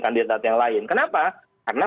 kandidat yang lain kenapa karena